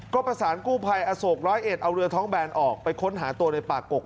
ก็ประสานกู้ภัยอโศกร้อยเอ็ดเอาเรือท้องแบนออกไปค้นหาตัวในป่ากก